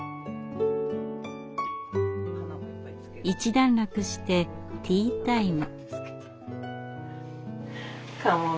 一段落してティータイム。